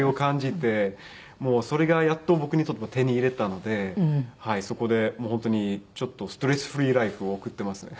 それがやっと僕にとっては手に入れたのでそこで本当にストレスフリーライフを送ってますね。